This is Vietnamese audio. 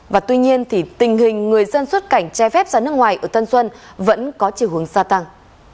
và tuy nhiên thì tình hình người dân xuất cảnh che phép ra nước ngoài ở tân xuân vẫn có chiều hướng gia tăng